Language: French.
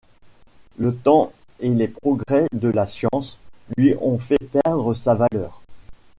Le temps et les progrès de la science lui ont fait perdre sa valeur.